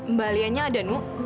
mbak alianya ada nu